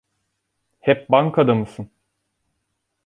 Hep bankada mısın?